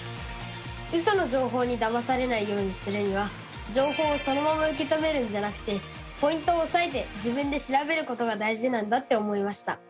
ウソの情報にだまされないようにするには情報をそのまま受け止めるんじゃなくてポイントをおさえて自分で調べることが大事なんだって思いました！